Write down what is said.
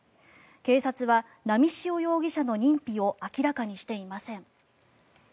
警察は、波汐容疑者の認否を明らかにしていません。